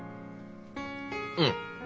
うん。